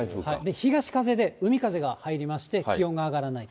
東風で、海風が入りまして、気温が上がらないと。